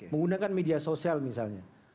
menggunakan media sosial misalnya